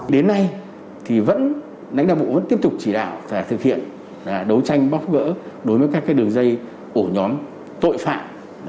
đến nay thì vẫn đánh đa bộ vẫn tiếp tục chỉ đảo và thực hiện đấu tranh bóc gỡ đối với các đường dây ổ nhóm tội phạm